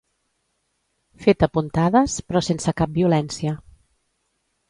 Fet a puntades, però sense cap violència.